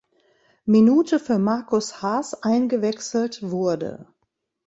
Minute für Markus Haas eingewechselt wurde.